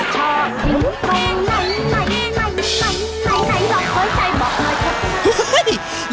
ชอบจริงของไหน